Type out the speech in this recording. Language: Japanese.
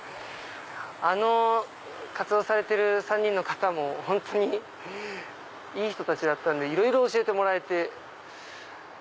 あの活動されてる３人の方も本当にいい人たちだったんでいろいろ教えてもらえて。